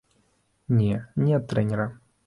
Не, не ад трэнера.